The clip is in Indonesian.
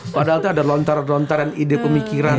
padahal itu ada lontaran lontaran ide pemikiran